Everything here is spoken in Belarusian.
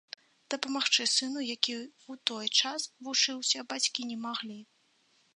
Дапамагчы сыну, які ў той час вучыўся, бацькі не маглі.